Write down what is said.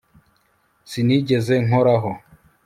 Sinigeze nkoraho